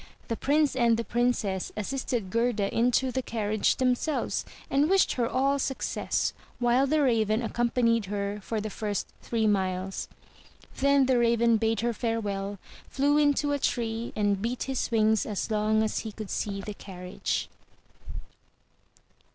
The Prince and the Princess assisted Gerda into the carriage themselves, and wished her all success, while the Raven accompanied her for the first three miles. Then the Raven bade her farewell, flew into a tree, and beat his wings as long as he could see the carriage.